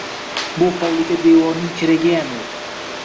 Bu hovliga devorning keragiyam yo‘q.